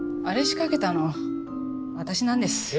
あれ仕掛けたの私なんです。